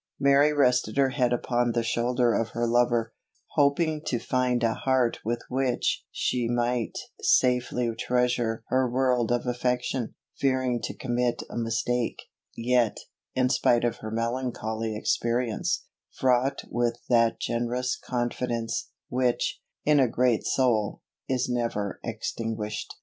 Mary rested her head upon the shoulder of her lover, hoping to find a heart with which she might safely treasure her world of affection; fearing to commit a mistake, yet, in spite of her melancholy experience, fraught with that generous confidence, which, in a great soul, is never extinguished.